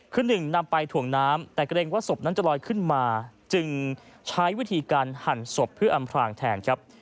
คือหนึ่งนำไปถ่วงน้ำแต่เกรงว่าศพนั้นจะลอยขึ้นมาจึงใช้วิธีการหั่นศพเพื่ออำพลางแทนครับ